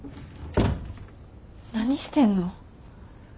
何してんの？